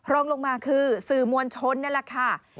ลองลงมาคือสื่อมวลชน๑ต่อ๒๕